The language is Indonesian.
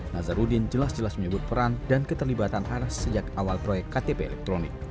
nazarudin jelas jelas menyebut peran dan keterlibatan rs sejak awal proyek ktp elektronik